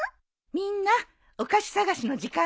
みんなお菓子探しの時間よ。